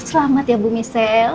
selamat ya ibu michelle